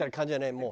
もう。